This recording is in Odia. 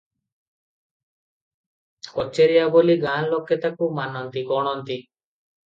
କଚେରିଆ ବୋଲି ଗାଁ ଲୋକେ ତାକୁ ମାନନ୍ତି, ଗଣନ୍ତି ।